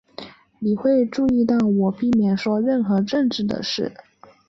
你会注意到我避免说任何政治的事。